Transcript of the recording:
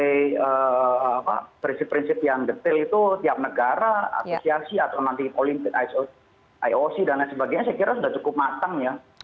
jadi prinsip prinsip yang detail itu tiap negara asosiasi atau nanti olimpiade ioc dan lain sebagainya saya kira sudah cukup matang ya